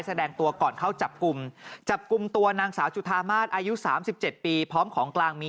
แสดงตัวก่อนเข้าจับกลุ่มจับกลุ่มตัวนางสาวจุธามาศอายุ๓๗ปีพร้อมของกลางมี